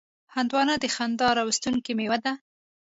هندوانه د خندا راوستونکې میوه ده.